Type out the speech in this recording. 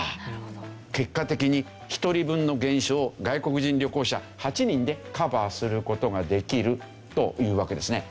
結果的に１人分の減少を外国人旅行者８人でカバーする事ができるというわけですね。